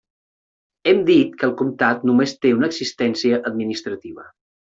Hem dit que el comtat només té una existència administrativa.